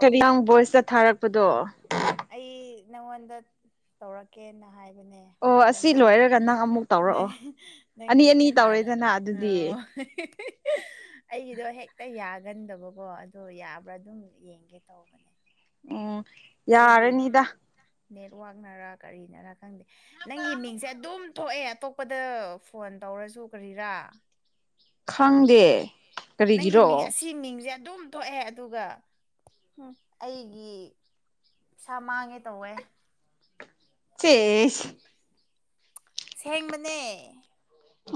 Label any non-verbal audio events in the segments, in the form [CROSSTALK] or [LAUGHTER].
ꯀꯔꯤ ꯅꯪ ꯕꯣꯏꯁꯇ ꯊꯥꯔꯛꯄꯗꯣ ꯑꯩ ꯅꯪꯉꯣꯟꯗ ꯇꯧꯔꯛꯀꯦꯅ ꯍꯥꯏꯕꯅꯦ ꯑꯣ ꯑꯗꯨꯒ ꯑꯁꯤ ꯅꯪꯒꯤ ꯂꯣꯏꯔꯒ ꯅꯪ ꯑꯃꯨꯛ ꯇꯧꯔꯛꯑꯣ ꯑꯅꯤ ꯅꯪꯒꯤ ꯑꯅꯤ ꯍꯥꯟꯅ ꯇꯧꯔꯦꯗꯅ ꯑꯗꯨꯗꯤ ꯂꯥꯛꯈ꯭ꯔꯥꯕ ꯑꯩꯒꯤꯗꯣ ꯍꯦꯛꯇ ꯌꯥꯒꯟꯗꯕꯀꯣ ꯑꯗꯣ ꯌꯥꯕ꯭ꯔꯥ ꯑꯗꯨꯝ ꯌꯦꯡꯒꯦ ꯇꯧꯕꯅꯦ ꯎꯝ ꯑꯩꯒꯤ ꯌꯥꯔꯅꯤꯗ ꯅꯦꯠꯋꯥꯛꯅꯔꯥ ꯀꯔꯤꯅꯔꯥ ꯈꯪꯗꯦ ꯅꯪꯒꯤ ꯃꯤꯡꯁꯦ ꯑꯗꯨꯝ ꯊꯣꯛꯑꯦ ꯑꯇꯣꯞꯄꯗ ꯐꯣꯟ ꯇꯧꯔꯁꯨ ꯀꯔꯤꯔꯥ ꯈꯪꯗꯦ ꯅꯪꯒꯤ ꯃꯤꯡ ꯀꯔꯤꯒꯤꯔꯣ ꯑꯁꯤ ꯃꯤꯡꯖꯦ ꯑꯗꯨꯝ ꯊꯣꯛꯑꯦ ꯑꯗꯨꯒ ꯑꯩꯒꯤ ꯄꯩꯁꯥ ꯃꯥꯡꯉꯦ ꯇꯧꯋꯦ ꯆꯦꯁ ꯁꯦꯡꯕꯅꯦ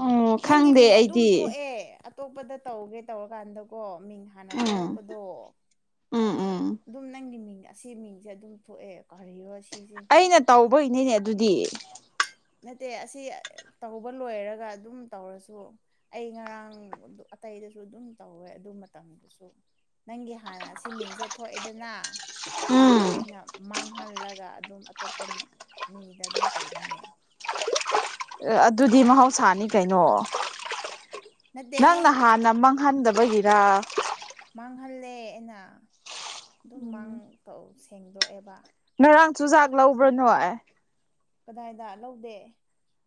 ꯎꯝ ꯅꯪꯒꯤ ꯈꯪꯗꯦ ꯃꯤꯡ ꯑꯗꯨꯝ ꯑꯩꯗꯤ ꯊꯣꯛꯑꯦ ꯑꯇꯣꯞꯄꯗ ꯇꯧꯒꯦ ꯇꯧꯔꯀꯥꯟꯗꯀꯣ ꯃꯤꯡ ꯍꯥꯟꯅ ꯎꯝ ꯊꯣꯂꯛꯄꯗꯣ ꯎꯝ ꯎꯝ ꯑꯗꯨꯝ ꯅꯪꯒꯤ ꯃꯤꯡ ꯑꯁꯤ ꯃꯤꯡꯁꯦ ꯑꯗꯨꯝ ꯊꯣꯛꯑꯦ ꯀꯣꯔꯤꯔꯣ ꯁꯤꯁꯦ ꯑꯩꯅ ꯇꯧꯕꯒꯤꯅꯤꯅꯦ ꯑꯗꯨꯗꯤ ꯅꯠꯇꯦ ꯑꯁꯤ ꯇꯧꯕ ꯂꯣꯏꯔꯒ ꯑꯗꯨꯝ ꯇꯧꯔꯁꯨ ꯑꯩ ꯉꯔꯥꯡ ꯑꯇꯩꯗꯁꯨ ꯑꯗꯨꯝ ꯇꯧꯋꯦ ꯑꯗꯨ ꯃꯇꯝꯗꯨꯁꯨ ꯅꯪꯒꯤ ꯍꯥꯟꯅ ꯑꯁꯤ ꯃꯤꯡꯁꯦ ꯊꯣꯛꯑꯦꯗꯅ ꯎꯝ ꯑꯗꯨꯒ ꯑꯩꯅ ꯃꯥꯡꯍꯜꯂꯒ ꯑꯗꯨꯝ ꯑꯇꯣꯞꯄꯅ ꯃꯤꯗ ꯑꯗꯨꯝ ꯇꯧꯕꯅꯦ ꯑꯗꯨꯗꯤ ꯃꯍꯧꯁꯥꯅꯤ ꯀꯩꯅꯣ ꯅꯠꯇꯦꯍꯦ ꯅꯪꯅ ꯍꯥꯟꯅ ꯃꯥꯡꯍꯟꯗꯕꯒꯤꯔ ꯃꯥꯡꯍꯜꯂꯦ ꯑꯩꯅ ꯑꯗꯨꯝ ꯃꯥꯡ ꯎꯝ ꯁꯦꯡꯗꯣꯛꯑꯦꯕ ꯉꯔꯥꯡ ꯆꯨꯖꯥꯛ ꯂꯧꯕ꯭ꯔꯥ ꯅꯣꯏ ꯀꯗꯥꯏꯗ ꯂꯧꯗꯦ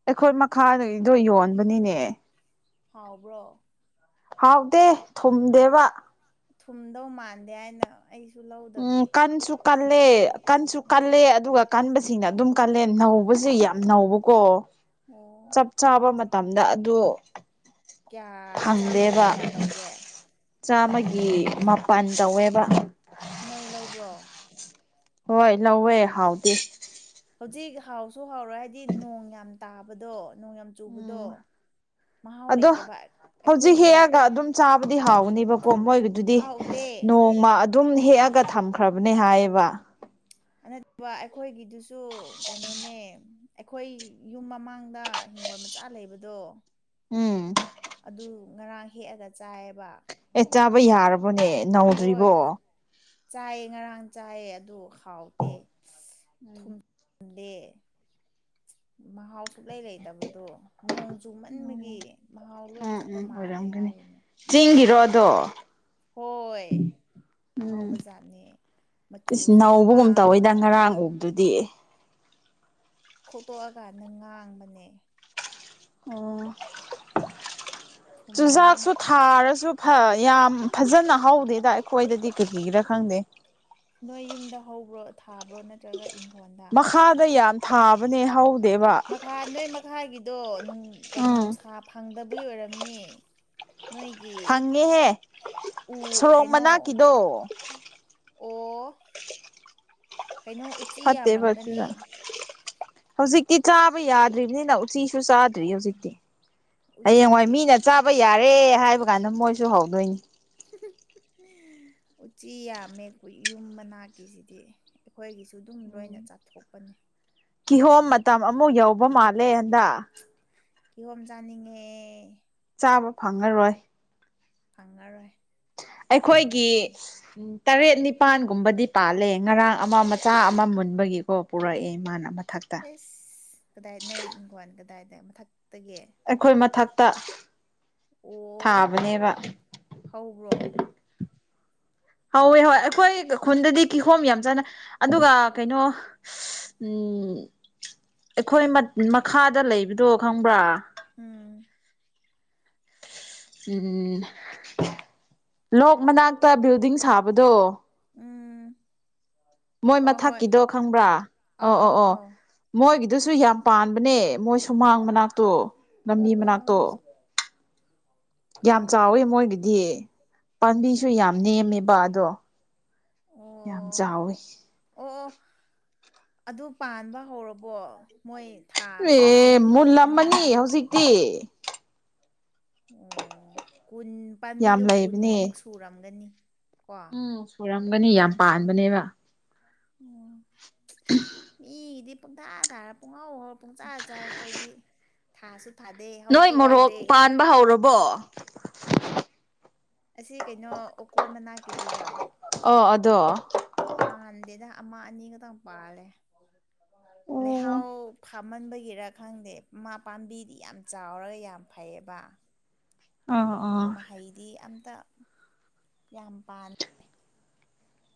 ꯑꯩꯈꯣꯏ ꯃꯈꯥꯗꯒꯤꯗꯣ ꯌꯣꯟꯕꯅꯤꯅꯦ ꯍꯥꯎꯕ꯭ꯔꯣ ꯍꯥꯎꯗꯦ ꯊꯨꯝꯗꯦꯕ ꯊꯨꯝꯗꯧ ꯃꯥꯟꯗꯦ ꯍꯥꯏꯅ ꯑꯩꯁꯨ ꯂꯧ ꯀꯟꯁꯨ ꯀꯜꯂꯦ ꯀꯟꯁꯨ ꯀꯜꯂꯦ ꯑꯗꯨꯒ ꯀꯟꯁꯤꯡꯅ ꯑꯗꯨꯝ ꯀꯜꯂꯦ ꯅꯧꯕꯁꯦ ꯌꯥꯝ ꯅꯧꯕ ꯀꯣ ꯑꯣ ꯆꯞ ꯆꯥꯕ ꯃꯇꯝꯗ ꯑꯗꯨ ꯀꯌꯥ ꯆꯥꯝꯃꯒꯤ ꯐꯪꯗꯦꯕ ꯀꯌꯥ ꯇꯧꯒꯦ ꯆꯥꯝꯃꯒꯤ ꯃꯥꯄꯟ ꯇꯧꯋꯦꯕ ꯅꯣꯏ ꯂꯧꯕ꯭ꯔꯣ ꯍꯣꯏ ꯂꯧꯋꯦ ꯍꯥꯎꯇꯦ ꯍꯧꯖꯤꯛ ꯍꯥꯎꯁꯨ ꯍꯥꯎꯔꯣꯏ ꯍꯥꯏꯗꯤ ꯅꯣꯡ ꯌꯥꯝ ꯇꯥꯕꯗꯣ ꯅꯣꯡ ꯌꯥꯝ ꯆꯨꯕꯗꯣ ꯎꯝ ꯃꯍꯥꯎ ꯑꯗꯣ ꯂꯩꯇꯦꯕ ꯍꯧꯖꯤꯛ ꯑꯩꯈꯣꯏꯒꯤ ꯍꯦꯛꯑꯒ ꯑꯗꯨꯝ ꯆꯥꯕꯗꯤ ꯍꯥꯎꯒꯅꯦꯕꯀꯣ ꯃꯣꯏꯒꯤꯗꯨꯗꯤ ꯍꯥꯎꯇꯦ ꯅꯣꯡꯃ ꯑꯗꯨꯝ ꯍꯦꯛꯑꯒ ꯊꯝꯈ꯭ꯔꯕꯅꯦ ꯍꯥꯏꯌꯦꯕ ꯅꯠꯇꯕ ꯑꯩꯈꯣꯏꯒꯤꯗꯨꯁꯨ ꯀꯩꯅꯣꯅꯦ ꯑꯩꯈꯣꯏ ꯌꯨꯝ ꯃꯃꯥꯡꯗ ꯍꯤꯡꯒꯣꯜ ꯃꯆꯥ ꯂꯩꯕꯗꯣ ꯎꯝ ꯑꯗꯨ ꯉꯔꯥꯡ ꯍꯦꯛꯑꯒ ꯆꯥꯏꯌꯦꯕ ꯑꯦ ꯆꯥꯕ ꯌꯥꯔꯕꯅꯦ ꯅꯧꯗ꯭ꯔꯤꯕꯣ ꯆꯥꯏ ꯉꯔꯥꯡ ꯆꯥꯏ ꯑꯗꯨ ꯍꯥꯎꯇꯦ ꯊꯨꯝꯗꯦ ꯃꯍꯥꯎ ꯁꯨꯛ ꯂꯩ ꯂꯩꯇꯕꯗꯣ ꯅꯣꯡ ꯆꯨꯃꯟꯕꯒꯤ ꯃꯍꯥꯎ ꯂꯣꯏꯅ ꯎꯝ ꯆꯠꯄ ꯎꯝ ꯃꯥꯜꯂꯦ ꯑꯣꯏꯔꯝꯒꯅꯤ ꯍꯥꯏꯔꯤꯅꯦ ꯆꯤꯡꯒꯤꯔꯣ ꯑꯗꯣ ꯍꯣꯏ ꯎꯝ ꯑꯍꯥꯎꯕ ꯖꯥꯠꯅꯦ ꯏꯁ ꯃꯆꯨꯁꯨ ꯅꯧꯕꯒꯨꯝ ꯇꯧꯋꯤꯗ ꯉꯥꯡꯉꯒ ꯉꯔꯥꯡ ꯎꯕꯗꯨꯗꯤ ꯈꯣꯠꯇꯣꯛꯑꯀꯥꯟꯗ ꯉꯥꯡꯕꯅꯦ ꯎꯝ ꯊꯨꯝꯗꯦ ꯆꯨꯖꯥꯛꯁꯨ ꯊꯥꯔꯁꯨ ꯐ ꯌꯥꯝ ꯐꯖꯅ ꯍꯧꯗꯦꯗ ꯑꯩꯈꯣꯏꯗꯗꯤ ꯀꯩꯒꯤꯔꯥ ꯈꯪꯗꯦ ꯅꯣꯏ ꯌꯨꯝꯗ ꯍꯧꯕ꯭ꯔꯣ ꯊꯥꯕ꯭ꯔꯣ ꯅꯠꯇ ꯅꯠꯇꯔꯒ ꯢꯈꯣꯜꯗꯥ ꯃꯈꯥꯗ ꯌꯥꯝ ꯊꯥꯕꯅꯦ ꯍꯧ ꯃꯈꯥ ꯅꯣꯏ ꯃꯈꯥꯒꯤꯗꯣ ꯀ ꯅꯨꯡꯁꯥ ꯐꯪꯗꯕꯒꯤ ꯑꯣꯏꯔꯝꯅꯤ ꯅꯣꯏꯒꯤ ꯐꯪꯉꯦꯍꯦ ꯎ ꯁꯣꯔꯣꯛ ꯀꯩꯅꯣ ꯃꯅꯥꯛꯀꯤꯗꯣ ꯑꯣ ꯀꯩꯅꯣ ꯎꯆꯤ ꯐꯠꯇꯦꯕ ꯌꯥꯝꯔꯝꯒꯅꯤ ꯆꯨꯖꯥꯛ ꯍꯧꯖꯤꯛꯇꯤ ꯆꯥꯕ ꯌꯥꯗ꯭ꯔꯤꯕꯅꯤꯅ ꯎꯆꯤꯁꯨ ꯆꯥꯗ꯭ꯔꯤ ꯍꯧꯖꯤꯛꯇꯤ ꯎꯆꯤ ꯍꯌꯦꯡꯋꯥꯏ ꯃꯤꯅ ꯆꯥꯕ ꯌꯥꯔꯦ ꯍꯥꯏꯕ ꯀꯥꯟꯗ ꯃꯣꯏꯁꯨ ꯍꯧꯗꯣꯏꯅꯤ ꯎꯆꯤ ꯌꯥꯝꯃꯦꯈꯣꯏ ꯌꯨꯝ ꯃꯅꯥꯛꯀꯤꯁꯤꯗꯤ ꯑꯩꯈꯣꯏꯒꯤꯁꯨ ꯑꯗꯨꯝ ꯂꯣꯏꯅ ꯆꯥꯊꯣꯛꯄꯅꯦ ꯀꯤꯍꯣꯝ ꯃꯇꯝ ꯑꯃꯨꯛ ꯌꯧꯕ ꯃꯥꯜꯂꯦ ꯍꯟꯗꯛ ꯀꯤꯍꯣꯝ ꯆꯥꯅꯤꯡꯉꯦ ꯆꯥꯕ ꯐꯪꯉꯔꯣꯏ ꯐꯪꯉꯔꯣꯏ ꯑꯩꯈꯣꯏꯒꯤ ꯍꯟꯗꯛꯇꯤ ꯇꯔꯦꯠ ꯅꯤꯄꯥꯟꯒꯨꯝꯕꯗꯤ ꯄꯥꯜꯂꯦ ꯉꯔꯥꯡ ꯑꯃ ꯃꯆꯥ ꯑꯃ ꯃꯨꯟꯕꯒꯤꯀꯣ ꯄꯨꯔꯛꯑꯦ ꯃꯥꯅ ꯃꯊꯛꯇ ꯑꯦꯁ ꯀꯗꯥꯏ ꯅꯣꯏ ꯏꯪꯈꯜ ꯀꯗꯥꯏꯗ ꯃꯊꯛꯇꯒꯤ ꯑꯩꯈꯣꯏ ꯃꯊꯛꯇ ꯑꯣ ꯊꯥꯕꯅꯦꯕ ꯍꯧꯕ꯭ꯔꯣ ꯍꯧꯋꯦ ꯍꯣꯏ ꯑꯩꯈꯣꯏ ꯈꯨꯟꯗꯗꯤ ꯀꯤꯍꯣꯝ ꯌꯥꯝ ꯆꯥꯅꯩ ꯑꯗꯨꯒ ꯀꯩꯅꯣ ꯎꯝ ꯑꯩꯈꯣꯏ ꯃꯈꯥꯗ ꯂꯩꯕꯗꯣ ꯈꯪꯕ꯭ꯔꯥ ꯎꯝ ꯎꯝ ꯂꯣꯛ ꯃꯅꯥꯛꯇ ꯕꯤꯜꯗꯤꯡ ꯁꯥꯕꯗꯣ ꯎꯝ ꯃꯣꯏ ꯍꯣꯏ ꯍꯣꯏ ꯃꯊꯛꯀꯤꯗꯣ ꯈꯪꯕ꯭ꯔꯥ ꯑꯥꯎ ꯑꯣ ꯑꯣ ꯑꯥꯎ ꯑꯣ ꯑꯥꯎ ꯃꯣꯏꯒꯤꯗꯨꯁꯨ ꯌꯥꯝ ꯄꯥꯟꯕꯅꯦ ꯃꯣꯏ ꯁꯨꯃꯥꯡ ꯃꯅꯥꯛꯇꯣ ꯂꯝꯕꯤ ꯃꯅꯥꯛꯇꯣ ꯑꯁ ꯌꯥꯝ ꯈꯪꯗꯦ ꯆꯥꯎꯋꯦ ꯃꯣꯏꯒꯤꯗꯤ ꯄꯥꯝꯕꯤꯁꯨ ꯌꯥꯝ ꯅꯦꯝꯃꯦꯕ ꯑꯗꯣ ꯅꯦꯝꯃꯦꯕ ꯑꯗꯣ ꯌꯥꯝ ꯑꯣ ꯆꯥꯎꯋꯤ ꯑꯣ ꯑꯣ ꯑꯗꯨ ꯄꯥꯟꯕ ꯍꯧꯔꯕꯣ ꯃꯣꯏ ꯊꯥ ꯆꯍꯤ ꯑꯅꯤ ꯇ ꯑꯣ ꯀꯨꯟ ꯌꯥꯝ ꯄꯥꯝꯕꯤꯗꯣ ꯀꯨꯟꯃꯨꯛ ꯂꯩꯕꯅꯦ ꯁꯨꯔꯝꯒꯅꯤ ꯀꯣ ꯎ ꯁꯨꯔꯝꯒꯅꯤ ꯌꯥꯝ ꯄꯥꯟꯕꯅꯦꯕ ꯑꯣ ꯃꯤ ꯏꯗꯤ ꯄꯣꯛꯙꯥꯙꯥ ꯄꯉꯥ ꯄꯨꯡꯆꯥꯥ ꯆꯥꯏ ꯑꯩꯈꯣꯏꯗꯤ ꯊꯥꯁꯨ ꯊꯥꯗꯦ ꯍꯧꯁꯨ ꯍꯧꯗꯦ ꯆꯟꯥꯟꯕ ꯍꯧꯔꯕꯣ ꯑꯁꯤ ꯀꯩꯅꯣ ꯑꯣꯀꯣꯟ ꯃꯅꯥꯛꯀꯤꯗꯨꯔꯣ ꯑꯣ ꯑꯗꯣ ꯄꯥꯟꯗꯦꯗ ꯑꯃ ꯑꯅꯤꯈꯛꯇꯪ ꯄꯥꯜꯂꯦ ꯂꯩꯍꯥꯎ ꯐꯥꯝꯃꯟꯕꯒꯤꯔ ꯈꯪꯗꯦ ꯃꯥ ꯄꯥꯝꯕꯤꯗꯤ ꯌꯥꯝ ꯆꯥꯎꯔꯒ ꯌꯥꯝ ꯐꯩꯌꯦꯕ ꯑ ꯍꯣ ꯃꯍꯩꯗꯤ ꯑꯝꯇ ꯌꯥꯝ ꯄ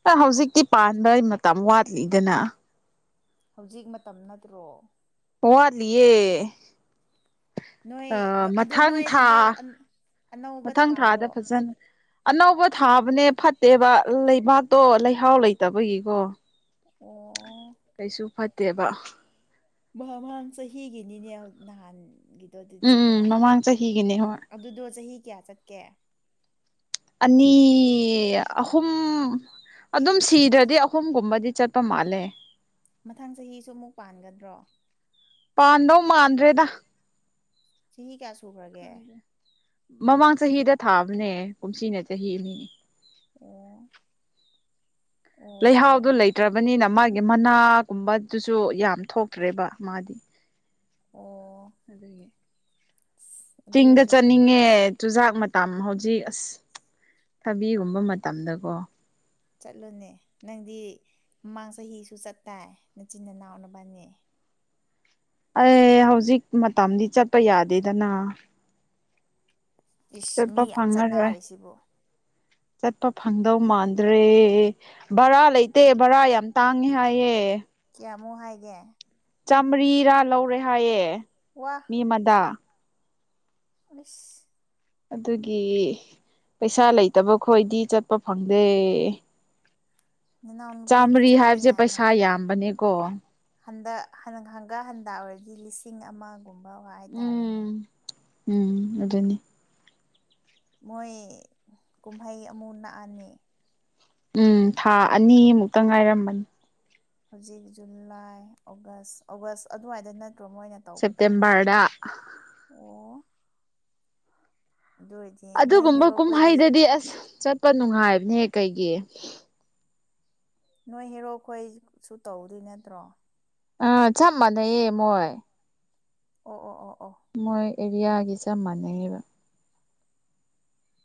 ꯑ ꯍꯧꯖꯤꯛꯇꯤ ꯄꯥꯟꯕꯩ ꯃꯇꯝ ꯋꯥꯠꯂꯤꯗꯅ ꯍꯧꯖꯤꯛ ꯃꯇꯝ ꯅꯠꯇ꯭ꯔꯣ ꯄꯔꯂꯤꯦ ꯅꯣꯏ ꯑ ꯑꯗꯣ ꯃꯊꯪ ꯅꯣꯏ ꯊꯥ ꯍꯟꯗꯛ ꯑꯅꯧꯕ ꯃꯊꯪ ꯊꯥꯗ ꯊꯥꯕ꯭ꯔꯣ ꯐꯖꯅ ꯑꯅꯧꯕ ꯊꯥꯕꯅꯦ ꯐꯠꯇꯦꯕ ꯂꯩꯕꯥꯛꯇꯣ ꯂꯩꯍꯥꯎ ꯂꯩꯇꯕꯒꯤꯀꯣ ꯑꯣ ꯀꯩꯁꯨ ꯐꯠꯇꯦꯕ ꯃꯥꯡ ꯆꯍꯤꯒꯤꯅꯤꯅꯦ ꯅꯍꯥꯟꯒꯤ ꯎꯝ ꯎꯝ ꯃꯃꯥꯡ ꯆꯍꯤ ꯍꯒꯤꯅꯤ ꯍꯣꯏ ꯑꯗꯨꯗꯣ ꯆꯍꯤ ꯀꯌꯥ ꯆꯠꯀꯦ ꯑꯅꯤ ꯑꯍꯨꯝ ꯑꯗꯨꯝ ꯁꯤꯗ꯭ꯔꯗꯤ ꯑꯍꯨꯝꯒꯨꯝꯕꯗꯤ ꯆꯠꯄ ꯑꯄꯥ ꯃꯥꯂꯦ ꯃꯊꯪ ꯆꯍꯤꯁꯨ ꯑꯃꯨꯛ ꯄꯥꯟꯒꯗ꯭ꯔꯣ ꯄꯥꯟꯗꯧ ꯃꯥꯟꯅꯔꯦꯗ ꯆꯍꯤ ꯀꯌꯥ ꯁꯨꯈ꯭ꯔꯒꯦ ꯈꯪꯗꯦ ꯃꯃꯥꯡ ꯆꯍꯤꯗ ꯊꯥꯕꯅꯦ ꯀꯨꯝꯁꯤꯅ ꯆꯍꯤꯅꯤ ꯑꯦ ꯂꯩꯍꯥꯎꯗꯨ ꯂꯩꯇ꯭ꯔꯕꯅꯤꯅ ꯃꯥꯒꯤ ꯃꯅꯥꯒꯨꯝꯕꯗꯨꯁꯨ ꯌꯥꯝ ꯊꯣꯛꯇ꯭ꯔꯦꯕ ꯃꯥꯗꯤ ꯑꯣ ꯑꯗꯨꯗꯒꯤ [UNINTELLIGIBLE] ꯇꯤꯒ ꯌꯥꯝ ꯆꯅꯤꯉꯦ ꯆꯨꯖꯥꯛ ꯃꯇꯝ ꯍꯧꯖꯤꯛ ꯑꯁ ꯊꯕꯤꯒꯨꯝꯕ ꯃꯇꯝꯗꯀꯣ ꯆꯠꯂꯣꯅꯦ ꯅꯪꯗꯤ ꯃꯃꯥꯡ ꯆꯍꯤꯁꯨ ꯆꯠꯇꯥꯏ ꯅꯆꯤꯟ ꯅꯅꯥꯎꯅꯕꯅꯦ ꯑꯦ ꯍꯧꯖꯤꯛ ꯃꯇꯝꯗꯤ ꯆꯠꯄ ꯌꯥꯗꯦꯗꯅ ꯏꯁ ꯆꯠꯄ ꯃꯤ ꯌꯥꯝ ꯐꯪꯉꯔꯣꯏ ꯆꯠꯅꯔꯦ ꯁꯤꯕꯨ ꯆꯠꯄ ꯐꯪꯗꯧ ꯃꯥꯟꯗ꯭ꯔꯦ ꯕꯔꯥ ꯂꯩꯇꯦ ꯕꯔꯥ ꯌꯥꯝ ꯇꯥꯡꯉꯦ ꯍꯥꯏꯌꯦꯦ ꯀꯌꯥꯃꯨꯛ ꯍꯥꯏꯒꯦ ꯆꯥꯃꯔꯤꯔꯥ ꯂꯧꯔꯦ ꯍꯥꯏꯌꯦꯦ ꯋꯥ ꯃꯤ ꯑꯃꯗ ꯑꯁ ꯑꯗꯨꯒꯤ ꯄꯩꯁꯥ ꯂꯩꯇꯕ ꯈꯣꯏꯗꯤ ꯆꯠꯄ ꯐꯪꯗꯦ ꯅꯅꯥꯎꯅꯨꯄꯤꯗꯤ ꯆꯥꯝꯃꯔꯤ ꯆꯠꯄ ꯍꯥꯏꯕꯁꯦ ꯌꯥꯏꯅ ꯄꯩꯁꯥ ꯌꯥꯝꯕꯅꯦꯀꯣ ꯍꯟꯗꯛ ꯍꯪꯒꯥ ꯍꯟꯗ ꯑꯣꯏꯔꯗꯤ ꯂꯤꯁꯤꯡ ꯑꯃꯒꯨꯝꯕ ꯋꯥ ꯎꯝ ꯍꯥꯏꯇꯥꯔꯦꯅꯦ ꯎꯝ ꯑꯗꯨꯗꯅꯤ ꯃꯣꯏ ꯀꯨꯝꯍꯩ ꯑꯃꯨ ꯂꯛꯑꯅꯤ ꯎꯝ ꯊꯥ ꯑꯅꯤꯃꯨꯛꯇ ꯉꯥꯏꯔꯝꯕꯅꯤ ꯍꯧꯖꯤꯛ ꯖꯨꯂꯥꯏ ꯑꯣꯒꯁ ꯑꯣꯒꯁ ꯑꯗꯨꯋꯥꯏꯗ ꯅꯠꯇ꯭ꯔꯣ ꯃꯣꯏꯅ ꯇꯧꯕꯗꯣ ꯁꯦꯞꯇꯦꯝꯕꯔꯗ ꯑꯣ ꯑꯗꯨꯖ ꯑꯗꯨꯒꯨꯝꯕ ꯀꯨꯝꯍꯩꯗꯗꯤ ꯑꯁ ꯆꯠꯄ ꯅꯨꯡꯉꯥꯏꯕꯅꯦꯍ ꯀꯩꯒꯤ ꯅꯣꯏ ꯍꯦꯔꯣꯛ ꯑꯩꯈꯣꯏ ꯁꯨ ꯇꯧꯗꯣꯏ ꯅꯠꯇ꯭ꯔꯣ ꯑ ꯆꯃꯅꯌꯦꯦꯝ ꯑꯣꯏꯣꯏ ꯑꯣ ꯑꯣ ꯑꯣ ꯑꯣ ꯃꯣꯏ ꯑꯦꯔꯤꯌꯥꯒꯤ ꯆꯞ ꯃꯥꯟꯅꯉꯦꯕ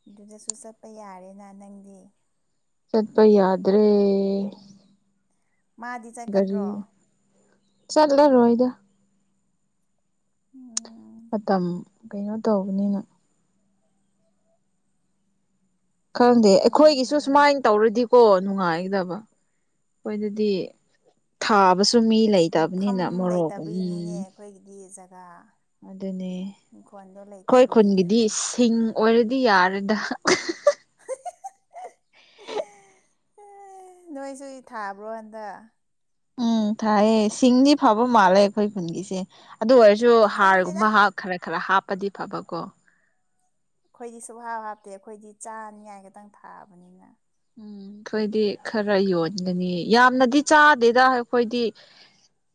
ꯑꯗꯨꯗꯁꯨ ꯆꯠꯄ ꯌꯥꯔꯦꯅ ꯅꯪꯗꯤ ꯁꯠꯄ ꯌꯥꯗ꯭ꯔꯦ ꯃꯥꯗꯤ ꯆꯠꯀꯗ꯭ꯔꯣ ꯆꯠꯂ ꯔꯣꯏꯗ ꯑꯣ ꯃꯇꯝ ꯀꯩꯅꯣ ꯇꯧꯕꯅꯤꯅ ꯈꯪꯗꯦ ꯑꯩꯈꯣꯏꯒꯤꯁꯨ ꯈꯪꯗ꯭ꯔꯦꯅꯦ ꯁꯨꯃꯥꯏꯅ ꯇꯧꯔꯗꯤꯀꯣ ꯅꯨꯡꯉꯥꯏꯗꯕ ꯍꯈꯣꯏꯗꯗꯤ ꯊꯥꯕ ꯆꯨꯝꯃꯤ ꯃꯐꯝ ꯂꯩꯇꯕꯅꯤꯅ ꯃꯣꯔꯣꯛ ꯂꯩꯇꯕꯒꯤꯅꯤꯅꯦ ꯎꯝ ꯑꯩꯈꯣꯏꯒꯤꯗꯤ ꯖꯒꯥ ꯑꯗꯨꯅꯦ ꯏꯪꯈꯣꯜꯗꯣ ꯑꯩꯈꯣꯏ ꯂꯩꯇꯕꯒꯤꯅꯤꯅꯦ ꯈꯨꯟꯒꯤꯗꯤꯁꯤꯡ ꯑꯣꯏꯔꯗꯤ ꯌꯥꯔꯦꯗ ꯑꯦ ꯅꯣꯏꯁꯨ ꯊꯥꯕ꯭ꯔꯣ ꯍꯟꯗ ꯎꯝ ꯊꯥꯏꯌꯦ ꯁꯤꯡꯗꯤ ꯐꯕ ꯃꯥꯜꯂꯦ ꯑꯩꯈꯣꯏ ꯈꯨꯟꯒꯤꯁꯦ ꯑꯗꯨ ꯑꯣꯏꯔꯁꯨ ꯈꯪꯗꯦꯗ ꯍꯥꯔꯒꯨꯝꯕ ꯍꯥ ꯈꯔ ꯈꯔ ꯍꯥꯞꯄꯗꯤ ꯐꯕꯀꯣ ꯑꯩꯈꯣꯏꯗꯤ ꯁꯨ ꯍꯥꯞ ꯍꯥꯞꯇꯦ ꯑꯩꯈꯣꯏꯗꯤ ꯆꯥꯅꯤꯉꯥꯏ ꯈꯇꯪ ꯊꯥꯕꯅꯤꯅ ꯎꯝ ꯑꯩꯈꯣꯏꯗꯤ ꯈꯔ ꯌꯣꯟꯒꯅꯤ ꯌꯥꯝꯅꯗꯤ ꯆꯥꯗꯦꯗ ꯑꯩꯈꯣꯏꯗꯤ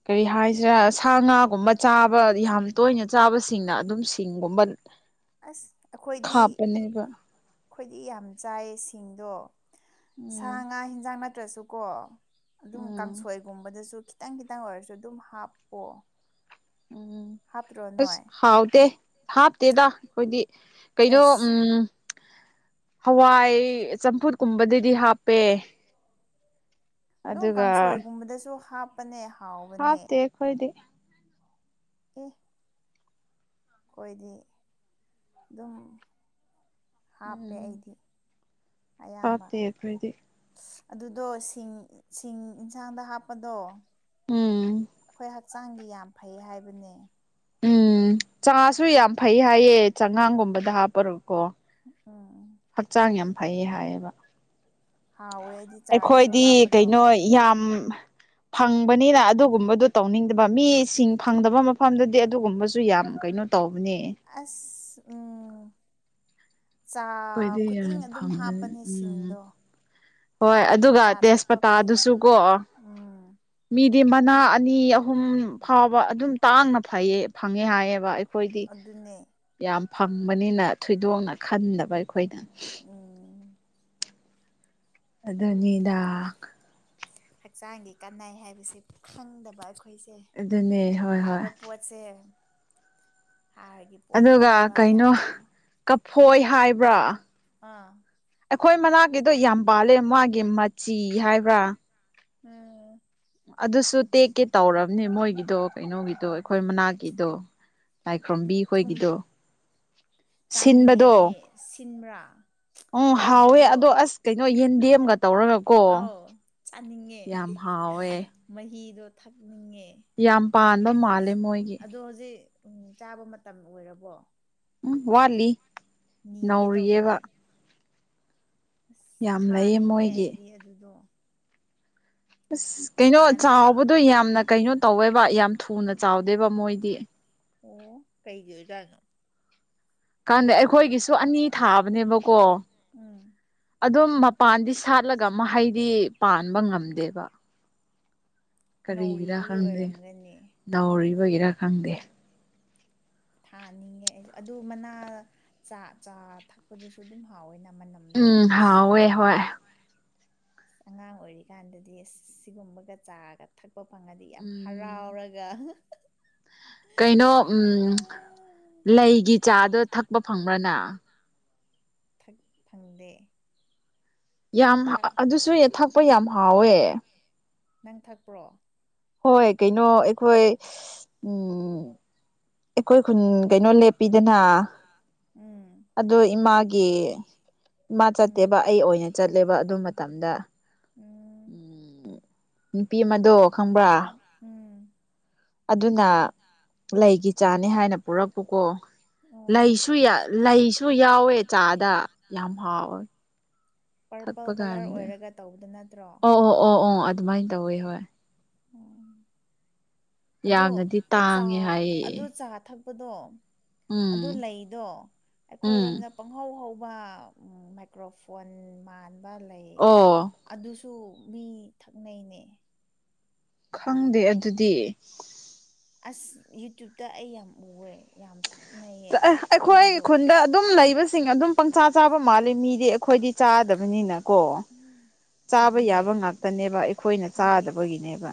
ꯀꯔꯤ ꯍꯥꯏꯁꯤꯔꯥ ꯁꯥ ꯉꯥꯒꯨꯝꯕ ꯆꯥꯕ ꯌꯥꯝ ꯇꯣꯏꯅ ꯆꯥꯕꯁꯤꯡꯅ ꯑꯗꯨꯝ ꯁꯤꯡꯒꯨꯝꯕ ꯑꯁ ꯑꯩꯈꯣꯏꯗꯤ ꯈꯥꯞꯄꯅꯦꯕ ꯑꯩꯈꯣꯏꯗꯤ ꯌꯥꯝ ꯆꯥꯏꯌꯦ ꯁꯤꯡꯗꯣ ꯁꯥ ꯎꯝ ꯉꯥ ꯌꯦꯟꯖꯥꯡ ꯅꯠꯇ꯭ꯔꯁꯨꯀꯣ ꯑꯗꯨꯝ ꯎꯝ ꯀꯥꯡꯁꯣꯏꯒꯨꯝꯕꯗꯁꯨ ꯈꯤꯇꯪ ꯈꯤꯇꯪ ꯑꯣꯏꯔꯁꯨ ꯑꯗꯨꯝ ꯍꯥꯞꯄꯣ ꯎꯝ ꯍꯥꯞꯇ꯭ꯔꯣ ꯑꯁ ꯅꯣꯏ ꯍꯥꯎꯇꯦ ꯍꯥꯞꯇꯦꯗ ꯑꯩꯈꯣꯏꯗꯤ ꯀꯩꯩꯅꯣ ꯑꯦꯁ ꯎꯝ ꯍꯋꯥꯏ ꯆꯝꯐꯨꯠꯀꯨꯝꯕꯗꯗꯤ ꯍꯥꯞꯄꯦ ꯑꯗꯨꯝ ꯑꯗꯨꯒ ꯀꯥꯡꯁꯣꯏꯒꯨꯝꯕꯗꯁꯨ ꯍꯥꯞꯄꯅꯦ ꯍꯥꯎꯕꯅꯦ ꯍꯥꯞꯇꯦ ꯑꯩꯈꯣꯏꯗꯤ ꯑꯦ ꯑꯩꯈꯣꯏꯗꯤ ꯑꯗꯨꯝ ꯍꯥꯞꯄꯦ ꯎꯝ ꯑꯩꯗꯤ ꯑꯌꯥꯝꯕ ꯍꯥꯞꯇꯦ ꯑꯩꯈꯣꯏꯗꯤ ꯑꯗꯨꯗꯣ ꯁꯤꯡ ꯁꯤꯡ ꯌꯦꯟꯁꯥꯡꯗ ꯍꯥꯞꯄꯗꯣ ꯎꯝ ꯑꯩꯈꯣꯏ ꯍꯛꯆꯥꯡꯒꯤ ꯌꯥꯝ ꯐꯩ ꯍꯥꯏꯕꯅꯦ ꯆꯉꯥꯁꯨ ꯌꯥꯝ ꯐꯩ ꯍꯥꯏꯌꯦ ꯆꯉꯥꯡꯒꯨꯝꯕꯗ ꯍꯥꯞꯄꯔꯣꯀꯣ ꯎꯝ ꯍꯛꯆꯥꯡ ꯌꯥꯝ ꯐꯩꯌꯦ ꯍꯥꯏꯌꯦꯕ ꯍꯥꯎꯋꯦ ꯑꯩꯗꯤ ꯆꯥꯗꯁꯨ ꯑꯩꯈꯣꯏꯗꯤ ꯍꯥꯞꯄꯗꯣ ꯀꯩꯅꯣ ꯌꯥꯝ ꯐꯪꯕꯅꯤꯅ ꯑꯗꯨꯒꯨꯝꯕꯗꯨ ꯇꯧꯅꯤꯡꯗꯕ ꯃꯤꯁꯤꯡ ꯐꯪꯗꯕ ꯃꯐꯝꯗꯗꯤ ꯑꯗꯨꯒꯨꯝꯕꯁꯨ ꯌꯥꯝ ꯀꯩꯅꯣ ꯇꯧꯕꯅꯦ ꯑꯁ ꯎꯝ꯫ ꯆꯥ ꯀꯣꯏꯗꯤ ꯌꯥꯝ ꯈꯨꯗꯤꯡ ꯑꯗꯨꯝ ꯐꯪꯕ ꯍꯥꯞꯄꯅꯦ ꯎꯝ ꯁꯤꯡꯗꯣ ꯍꯣꯏ ꯑꯗꯨꯒ ꯆꯥ ꯊꯛꯄ ꯈꯨꯗꯤꯡ ꯇꯦꯖꯄꯇꯥꯗꯨꯁꯨ ꯀꯣ ꯎꯝ ꯃꯤꯗꯤ ꯃꯅꯥ ꯃꯤ ꯑꯍꯨꯝ ꯐꯥꯎꯕ ꯑꯗꯨꯝ ꯇꯥꯡꯅ ꯐꯩꯌꯦ ꯐꯪꯉꯦ ꯍꯥꯏꯌꯦꯕ ꯑꯩꯈꯣꯏꯗꯤ꯫ ꯑꯗꯨꯅꯦ ꯌꯥꯝ ꯐꯪꯕꯅꯤꯅ ꯊꯣꯏꯗꯣꯛꯅ ꯈꯟꯗꯕ ꯑꯩꯈꯣꯏꯅ꯫ ꯑꯣ....... ꯑꯗꯨꯅꯤꯗꯥꯛ꯫ ꯍꯛꯆꯥꯡꯒꯤ ꯀꯥꯟꯅꯩ ꯍꯥꯏꯕꯁꯦ ꯈꯪꯗꯕ ꯑꯩꯈꯣꯏꯁꯦ ꯑꯗꯨꯅꯦ ꯍꯣꯏ ꯍꯣꯏ ꯐꯥꯕ ꯄꯣꯠꯁꯦ ꯍꯥꯔꯒꯤ꯫ ꯄꯣꯠ ꯑꯗꯨꯒ ꯅꯗꯕ ꯀꯩꯅꯣ ꯌꯥꯝ ꯐꯕ ꯀꯐꯣꯏ ꯍꯥꯏꯕ꯭ꯔꯥ꯫ ꯑꯥ꯫ ꯑꯩꯈꯣꯏ ꯃꯅꯥꯛꯀꯤꯗꯣ ꯌꯥꯝ ꯄꯥꯜꯂꯦ ꯃꯥꯒꯤ ꯃꯆꯤ ꯍꯥꯏꯕ꯭ꯔꯥ꯫ ꯎꯝ꯫ ꯑꯗꯨꯁꯨ ꯇꯦꯛꯀꯦ ꯇꯧꯔꯕꯅꯦ ꯃꯣꯏꯒꯤꯗꯣ ꯀꯩꯅꯣꯒꯤꯗꯣ ꯑꯩꯈꯣꯏ ꯃꯅꯥꯛꯀꯤꯗꯣ ꯂꯥꯏꯈ꯭ꯣꯔꯝꯕꯤ ꯊꯨꯝ ꯈꯣꯏꯒꯤꯗꯣ꯫ ꯆꯥꯅꯤꯡꯉꯦ ꯁꯤꯟꯕꯗꯣ ꯑꯩ ꯁꯤꯟꯕ꯭ꯔꯥ ꯎꯝ ꯍꯥꯎꯋꯦ ꯑꯗꯨꯗꯣ ꯑꯗꯣ ꯑꯁ꯫ ꯀꯩꯅꯣ ꯌꯦꯟꯗꯦꯝꯒ ꯇꯧꯔꯒ ꯀꯣ꯫ ꯑꯥꯎ ꯆꯥꯅꯤꯡꯉꯦ ꯍꯤ ꯍꯤ ꯃꯍꯤꯗꯣ ꯊꯛꯅꯤꯡꯉꯦ꯫ ꯌꯥꯝ ꯄꯥꯟꯕ ꯃꯥꯜꯂꯦ ꯃꯣꯏꯒꯤ꯫ ꯗꯣ ꯍꯧꯖꯤꯛ ꯎꯝ ꯆꯥꯕ ꯃꯇꯝ ꯑꯣꯏꯔꯕꯣ꯫ ꯎꯝ ꯋꯥꯠꯂꯤ꯫ ꯅꯤꯒꯦ ꯇꯧꯕꯅꯦ꯫ ꯅꯧꯔꯤꯌꯦꯕ ꯑꯁ ꯌꯥꯝ ꯂꯩꯌꯦ ꯊꯥꯅꯤꯡꯉꯦ ꯃꯣꯏꯒꯤ ꯑꯩꯗꯤ ꯑꯗꯨꯗꯣ꯫ ꯑꯁ ꯀꯩꯅꯣ ꯍꯥꯟꯅ ꯆꯥꯎꯕꯗꯣ ꯌꯥꯝꯅ ꯀꯩꯅꯣ ꯇꯧꯋꯦꯕ ꯌꯥꯝ ꯊꯨꯅ ꯆꯥꯎꯗꯦꯕ ꯃꯣꯏꯗꯤ꯫ ꯑꯣ ꯀꯩꯒꯤꯣꯖꯅꯣ ꯀꯥꯟꯗꯦ ꯑꯩꯈꯣꯏꯒꯤꯁꯨ ꯑꯅꯤ ꯊꯥꯕꯅꯦꯕꯀꯣ ꯎꯝ ꯑꯗꯨꯝ ꯃꯞ ꯄꯥꯟꯗꯤ ꯁꯥꯠꯂꯒ ꯃꯍꯩꯗꯤ ꯄꯥꯟꯕ ꯉꯝꯗꯦꯕ ꯀꯔꯤꯒꯤꯔ ꯅꯧꯔꯤꯕꯒꯤ ꯈꯪꯗꯦ ꯑꯣꯏꯔꯝꯒꯅꯤ ꯗꯥꯎꯔꯤꯕꯒꯤꯔ ꯈꯪꯗꯦ ꯊꯥꯅꯤꯡꯉꯦ ꯑꯩꯁꯨ ꯑꯗꯨ ꯃꯅꯥ ꯆꯥ ꯆꯥ ꯊꯛꯄꯗꯨꯁꯨ ꯑꯗꯨꯝ ꯍꯥꯎꯋꯦꯅ ꯃꯅꯝ꯫ ꯗꯣ ꯎꯝ ꯍꯥꯎꯋꯦ ꯅꯨꯡꯁꯤꯔꯒ꯫ ꯍꯣꯏ ꯑꯉꯥꯡ ꯑꯣꯏꯔꯤꯀꯥꯟꯗꯗꯤ ꯑꯁ ꯁꯤꯒꯨꯝꯕꯒ ꯆꯥꯒ ꯊꯛꯄ ꯐꯪꯉꯗꯤ ꯌꯥꯝ ꯎꯝ ꯍꯔꯥꯎꯔꯒ꯫ ꯀꯩꯅꯣ ꯎꯝ ꯂꯩꯒꯤ ꯆꯥꯗꯣ ꯊꯛꯄ ꯐꯪꯕ꯭ꯔꯅ꯫ ꯊꯛ ꯐꯪꯗꯦ꯫ ꯌꯥꯝ ꯊꯛ ꯑꯗꯨꯁꯨ ꯊꯛꯄ ꯌꯥꯝ ꯍꯥꯎꯋꯦ꯫ ꯅꯪ ꯊꯛꯄ꯭ꯔꯣ꯫ ꯍꯣꯏ ꯀꯩꯅꯣ ꯑꯩꯈꯣꯏ ꯎꯝ꯫ ꯑꯩꯈꯣꯏ ꯈꯨꯟ ꯀꯩꯅꯣ ꯂꯦꯞꯄꯤꯗꯅ ꯎꯝ ꯑꯗꯨ ꯏꯃꯥꯒꯤ ꯏꯃꯥ ꯎꯝ ꯆꯠꯇꯦꯕ ꯑꯩ ꯑꯣꯏꯅ꯫ ꯆꯠꯂꯦꯕ ꯑꯗꯨ ꯃꯇꯝꯗ꯫ ꯎꯝ ꯎꯝ ꯅꯨꯄꯤ ꯑꯃꯗꯣ ꯈꯪꯕ꯭ꯔꯥ꯫ ꯎꯝ꯫ ꯑꯗꯨꯅ ꯂꯩꯒꯤ ꯆꯥꯅꯦ ꯍꯥꯏꯅ ꯄꯨꯔꯛꯄꯨꯀꯣ꯫ ꯑꯣ ꯂꯩꯁꯨ ꯂꯩꯁꯨ ꯌꯥꯎꯋꯦ ꯆꯥꯗ ꯌꯥꯝ ꯍꯥꯎꯋꯦ꯫ ꯄꯔꯄꯜ ꯊꯛꯄ ꯀꯂꯔ ꯀꯥꯟꯗ ꯑꯣꯏꯔꯒ ꯇꯧꯕꯗꯣ ꯅꯠꯇ꯭ꯔꯣ ꯑꯣ ꯑꯣ ꯑꯣ ꯑꯣ ꯑꯗꯨꯃꯥꯏꯅ ꯇꯧꯋꯤ ꯍꯣꯏ꯫ ꯎꯝ ꯌꯥꯝꯅꯗꯤ ꯇꯥꯡꯉꯦ ꯍꯥꯏꯌꯦ ꯑꯗꯣ ꯆꯥ ꯊꯛ ꯄꯗꯣ ꯑꯗꯨ ꯎꯝ ꯂꯩꯗꯣ꯫ ꯎꯝ ꯑꯩꯈꯣꯏꯔꯣꯝꯗ ꯄꯪꯍꯧ ꯍꯧꯕ ꯃꯥꯏꯀ꯭ꯔꯣꯐꯣꯟ ꯃꯥꯟꯕ ꯂꯩ꯫ ꯑꯣ ꯑꯗꯨꯁꯨ ꯃꯤ ꯊꯛꯅꯩꯅꯦ꯫ ꯈꯪꯗꯦ ꯑꯗꯨꯗꯤ꯫ ꯑꯁ ꯌꯨꯇ꯭ꯌꯨꯕꯇ ꯑꯩ ꯌꯥꯝ ꯎꯋꯦ ꯌꯥꯝ ꯊꯛ ꯑꯦ ꯑꯩꯈꯣꯏ ꯈꯨꯟꯗ ꯑꯗꯨꯝ ꯂꯩꯕꯁꯤꯡ ꯑꯗꯨꯝ ꯄꯪꯆꯥꯥ ꯆꯥꯕ ꯃꯥꯜꯂꯤ ꯃꯤꯗꯤ ꯑꯩꯈꯣꯏꯗꯤ ꯆꯥꯗꯕꯅꯤꯅ ꯀꯣ ꯆꯥꯕ ꯑꯗꯨꯅꯦ ꯌꯥꯕ ꯉꯥꯛꯇꯅꯦꯕ ꯑꯩꯈꯣꯏꯅ ꯃꯣꯏꯗꯤ ꯆꯥꯗꯕꯒꯤꯅꯦꯕ꯫